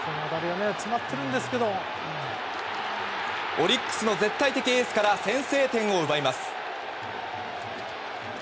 オリックスの絶対的エースから先制点を奪います。